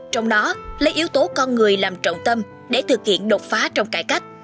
trong đó lấy yếu tố con người làm trọng tâm để thực hiện đột phá trong cải cách